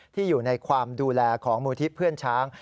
อยู่ในความดูแลของมูลที่เพื่อนช้าง